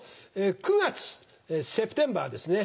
９月セプテンバーですね。